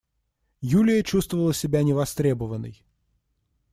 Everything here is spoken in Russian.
Юлия чувствовала себя невостребованной.